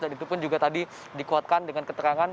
dan itu pun juga tadi dikuatkan dengan keterangan